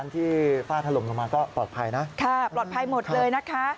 ที่ฝ้าถล่มลงมาก็ปลอดภัยนะค่ะปลอดภัยหมดเลยนะคะ